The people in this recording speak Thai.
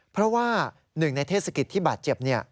เพราะว่าหนึ่งในเทศกิจที่บาดเจ็บ